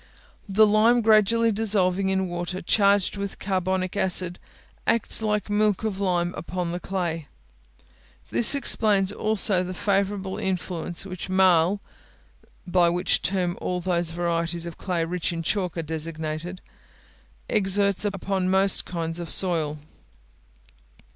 The lime gradually dissolving in water charged with carbonic acid, acts like milk of lime upon the clay. This explains also the favourable influence which marl (by which term all those varieties of clay rich in chalk are designated) exerts upon most kinds of soil.